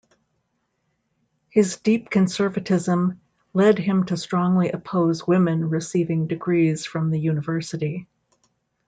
His deep conservatism led him to strongly oppose women receiving degrees from the University.